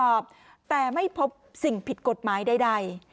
ก็ไปตรวจสอบแต่ไม่พบสิ่งผิดกฎหมายใดใด